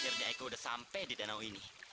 akhirnya aku sudah sampai di danau ini